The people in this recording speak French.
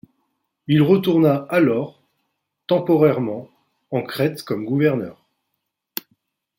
Il retourna alors, temporairement, en Crète comme gouverneur.